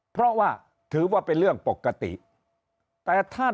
เพราะว่าถือว่าเป็นเรื่องปกติแต่ถ้า